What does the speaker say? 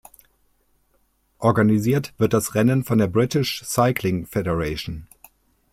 Organisiert wird das Rennen von der British Cycling Federation.